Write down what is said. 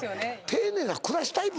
丁寧な暮らしタイプ？